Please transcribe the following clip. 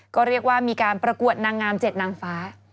ก็เรียกว่ามีการประกวดนางงาม๗นางฟ้า